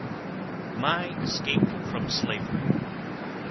"My Escape from Slavery."